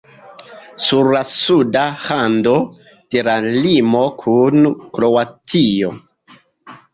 Sur la suda rando de la limo kun Kroatio.